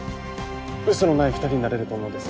ウソのない２人になれると思うんです